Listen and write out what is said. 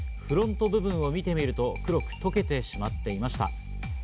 フロント部分を見てみると黒く溶けてしまっていました。